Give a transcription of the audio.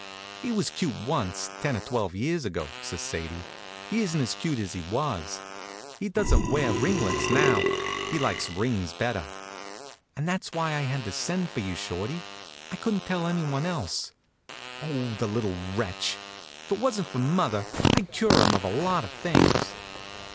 "He was cute once ten or twelve years ago," says Sadie. "He isn't as cute as he was. He doesn't wear ringlets now he likes rings better. And that's why I had to send for you, Shorty. I couldn't tell anyone else. Oh, the little wretch! If it wasn't for mother I'd cure him of a lot of things."